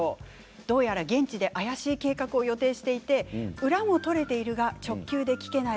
どうやら現地で怪しい計画をしているようで裏も取れているが直球で聞けない。